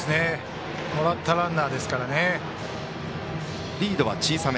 もらったランナーですからね。